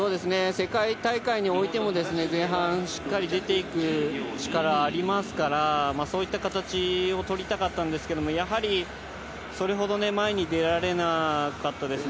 世界大会においても前半しっかり出ていく力がありますから、そういった形を取りたかったんですけれど、やはりそれほど前に出られなかったですね。